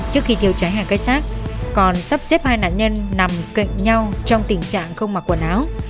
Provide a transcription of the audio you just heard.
trước khi thiếu trái hàng cái xác còn sắp xếp hai nạn nhân nằm cạnh nhau trong tình trạng không mặc quần áo